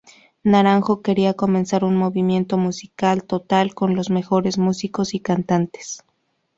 Naranjo quería comenzar un movimiento musical total, con los mejores músicos y cantantes.